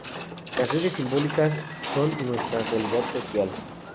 Las redes simbólicas son nuestra realidad social.